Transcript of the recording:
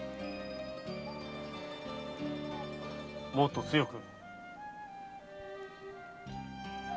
もっと強く。